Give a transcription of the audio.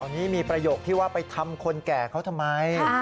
ตอนนี้มีประโยคที่ว่าไปทำคนแก่เขาทำไม